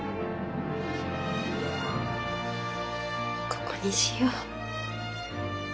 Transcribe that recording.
ここにしよう。